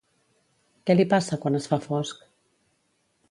Què li passa quan es fa fosc?